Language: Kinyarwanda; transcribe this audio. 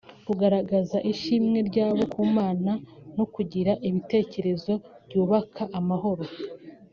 kugaragaraza ishimwe ryabo ku Mana no kugira ibitekerezo byubaka amahoro